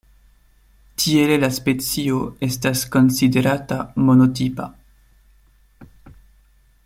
Tiele la specio estas konsiderata monotipa.